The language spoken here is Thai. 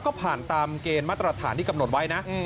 ก็ผ่านตามเกณฑ์มาตรฐานที่กำหนดไว้นะ